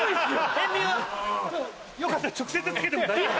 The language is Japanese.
塩味はよかったら直接付けても大丈夫。